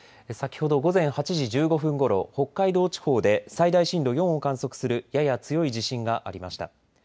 先ほど午前８時１５分ごろ北海道地方で最大震度４を観測するやや強い地震がありました。